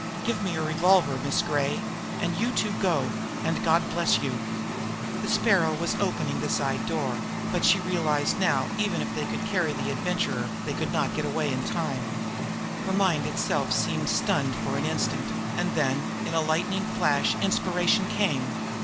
"Give me your revolver, Miss Gray, and you two go and God bless you!" The Sparrow was opening the side door, but she realized now that even if they could carry the Adventurer they could not get away in time. Her mind itself seemed stunned for an instant and then, in a lightning flash, inspiration came.